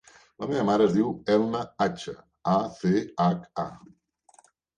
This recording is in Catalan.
La meva mare es diu Elna Acha: a, ce, hac, a.